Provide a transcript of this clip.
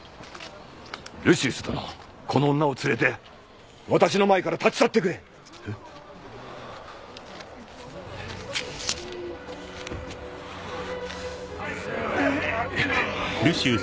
ルシウス殿この女を連れて私の前から立ち去ってくれえっルシウス！